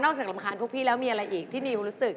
จากรำคาญพวกพี่แล้วมีอะไรอีกที่นิวรู้สึก